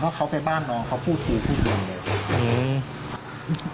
เพราะเขาไปบ้านน้องเขาพูดคุยพูดดวงเลย